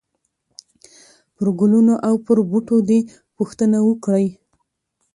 پرګلونو او پر بوټو دي، پوښتنه وکړئ !!!